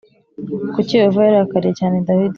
Kuki Yehova yarakariye cyane Dawidi